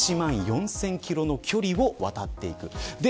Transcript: １万４０００キロの距離を渡っていく。